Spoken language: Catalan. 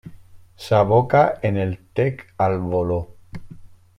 S'aboca en el Tec al Voló.